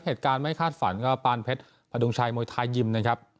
เหตุการณ์ไม่คาดฝันก็ปานเพชรพดุงชัยมวยไทยยิมนะครับ